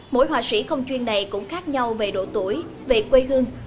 mỗi họa sĩ không chuyên này cũng khác nhau về độ tuổi về quê hương